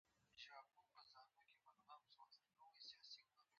د هر انسان لومړنی ښوونځی خپله کورنۍ وي.